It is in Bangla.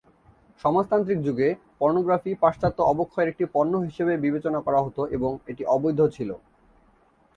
সমাজতান্ত্রিক যুগে, পর্নোগ্রাফি পাশ্চাত্য অবক্ষয়ের একটি পণ্য হিসেবে বিবেচনা করা হতো এবং এটি অবৈধ ছিল।